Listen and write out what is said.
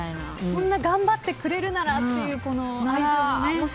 そんな頑張ってくれるならっていう愛情もね。